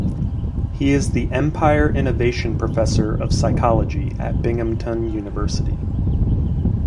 He is the Empire Innovation Professor of Psychology at Binghamton University.